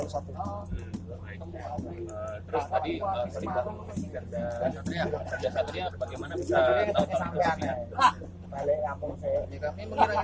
terus tadi kerja satria kerja satria bagaimana bisa tahu penampilannya